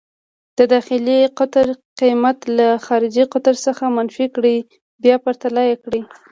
د داخلي قطر قېمت له خارجي قطر څخه منفي کړئ، بیا پرتله یې کړئ.